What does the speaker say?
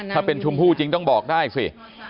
ถ้าเป็นชมพู่จริงต้องบอกได้สิ